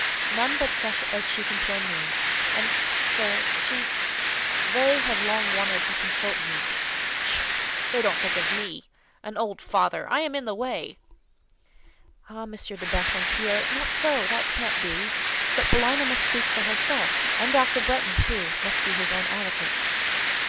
"None but such as she can show me. And—sir—she—they have long wanted to consult you." "Pshaw! They don't think of me—an old father! I am in the way." "Ah, M. de Bassompierre—not so—that can't be! But Paulina must speak for herself: and Dr. Bretton, too, must be his own advocate."